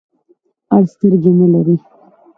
اړ سترګي نلری .